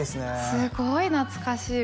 すごい懐かしい